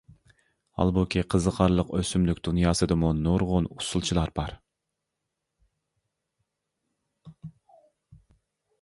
ھالبۇكى، قىزىقارلىق ئۆسۈملۈك دۇنياسىدىمۇ نۇرغۇن ئۇسسۇلچىلار بار.